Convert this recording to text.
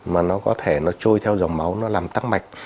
mà nó có thể nó trôi theo dòng máu nó làm tăng mạch